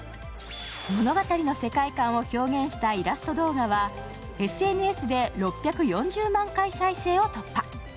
物語の世界観を表現したイラスト動画は、ＳＮＳで６４０万回再生を突破。